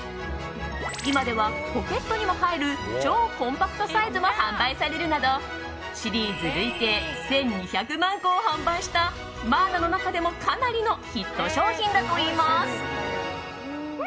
今ではポケットにも入る超コンパクトサイズも販売されるなどシリーズ累計１２００万個を販売したマーナの中でもかなりのヒット商品だといいます。